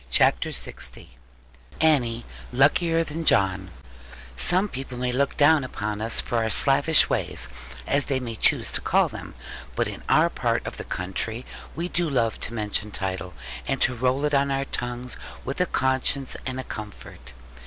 CHAPTER LX ANNIE LUCKIER THAN JOHN Some people may look down upon us for our slavish ways (as they may choose to call them), but in our part of the country, we do love to mention title, and to roll it on our tongues, with a conscience and a comfort.